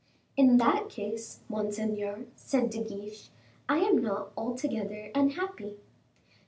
"In that case, monseigneur," said De Guiche. "I am not altogether unhappy."